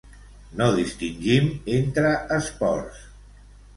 No distingim entre esports.